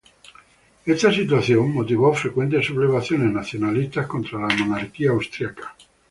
Esta situación motivó frecuentes sublevaciones nacionalistas contra la monarquía austriaca.